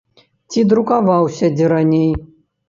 Ці друкаваўся дзе раней?